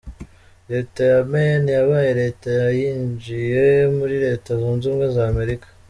Leta ya Maine yabaye leta ya yinjiye muri Leta Zunze Ubumwe za Amerika.